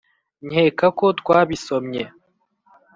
nkeka ko twabisomye